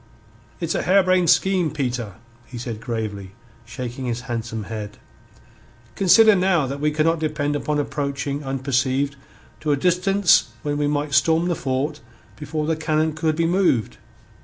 "It's a harebrained scheme, Peter," he said gravely, shaking his handsome head. "Consider now that we cannot depend upon approaching unperceived to a distance whence we might storm the fort before the cannon could be moved.